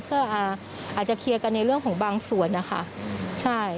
ก็อาจจะเคลียร์กันในเรื่องของบางส่วนนะคะใช่